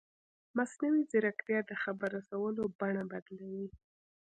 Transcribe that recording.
مصنوعي ځیرکتیا د خبر رسولو بڼه بدلوي.